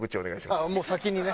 ああもう先にね。